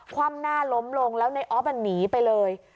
คว่ำหน้าล้มลงแล้วในออฟหนีไปเลย